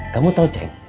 kamu tahu cek